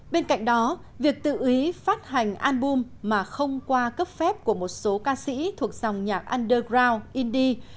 bên cạnh đó việc tự ý phát hành album mà không qua cấp phép của một số ca sĩ thuộc dòng nhạc andergrow indi